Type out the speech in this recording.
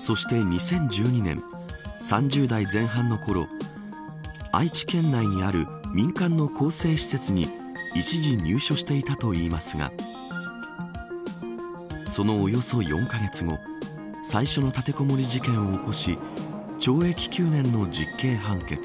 そして、２０１２年３０代前半のころ愛知県内にある民間の更生施設に一時入所していたといいますがそのおよそ４カ月後最初の立てこもり事件を起こし懲役９年の実刑判決。